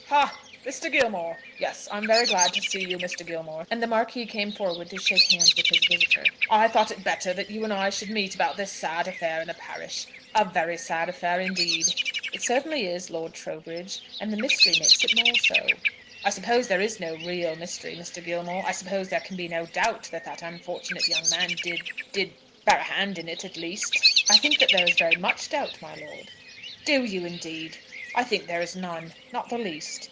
"Ha! Mr. Gilmore; yes, I am very glad to see you, Mr. Gilmore;" and the Marquis came forward to shake hands with his visitor. "I thought it better that you and I should meet about this sad affair in the parish; a very sad affair, indeed." "It certainly is, Lord Trowbridge; and the mystery makes it more so." "I suppose there is no real mystery, Mr. Gilmore? I suppose there can be no doubt that that unfortunate young man did, did, did bear a hand in it at least?" "I think that there is very much doubt, my lord." "Do you, indeed? I think there is none, not the least.